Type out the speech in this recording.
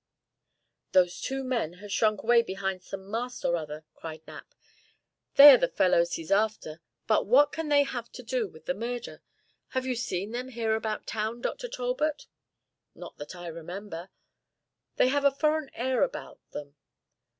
"Those two men have shrunk away behind some mast or other," cried Knapp. "They are the fellows he's after. But what can they have to do with the murder? Have you ever seen them here about town, Dr. Talbot?" "Not that I remember; they have a foreign air about them.